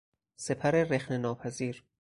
سپر رخنه ناپذیر